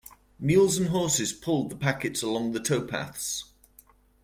Mules and horses pulled the packets along the towpaths.